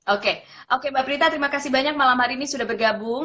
oke oke mbak prita terima kasih banyak malam hari ini sudah bergabung